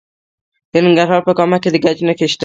د ننګرهار په کامه کې د ګچ نښې شته.